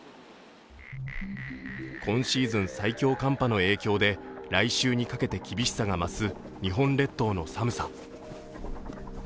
今シーズン最強寒波の影響で来週にかけて厳しさが増す日本列島の寒さ。